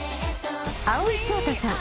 蒼井翔太さん。